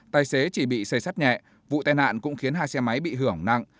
tài xế chỉ bị xây sát nhẹ vụ tai nạn cũng khiến hai xe máy bị hưởng nặng